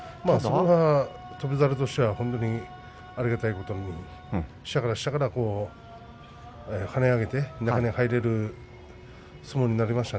翔猿としてはありがたいことに下から跳ね上げて中に入れる相撲になりました。